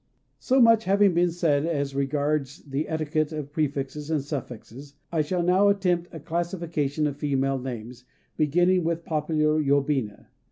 So much having been said as regards the etiquette of prefixes and suffixes, I shall now attempt a classification of female names, beginning with popular yobina.